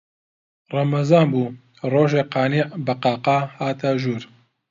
ڕەمەزان بوو، ڕۆژێک قانیع بە قاقا هاتە ژوور